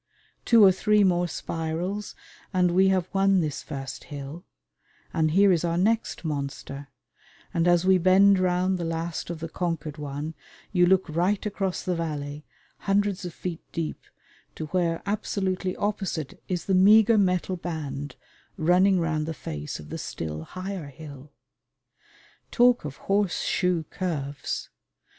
Two or three more spirals, and we have won this first hill, and here is our next monster; and as we bend round the last of the conquered one you look right across the valley, hundreds of feet deep, to where absolutely opposite is the meagre metal band running round the face of the still higher hill. Talk of horse shoe curves!